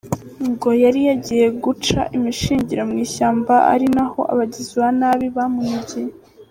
Ngo yari yagiye guca imishingiriro mu ishyamba ari na ho abagizi ba nabi bamunigiye.